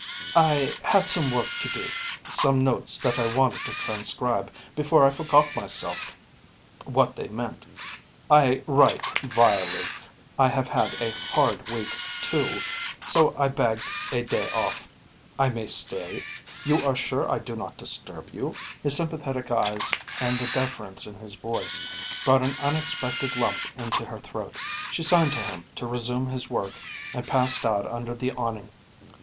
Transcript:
"I had some work to do some notes that I wanted to transcribe before I forgot myself what they meant; I write vilely. I have had a hard week, too, so I begged a day off. I may stay? You are sure I do not disturb you?" His sympathetic eyes and the deference in his voice brought an unexpected lump into her throat. She signed to him to resume his work and passed out under the awning.